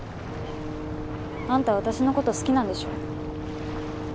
あんた私の事好きなんでしょ？